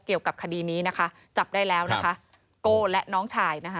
เกี่ยวกับคดีนี้นะคะจับได้แล้วนะคะโก้และน้องชายนะคะ